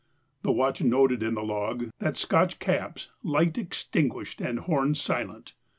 The watch noted in the log that Scotch Cap's "light extinguished and horn silent".